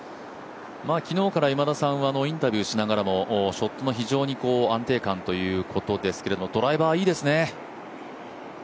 昨日から今田さんはインタビューしながらもショットの安定感ということですけどドライバー、いいですね。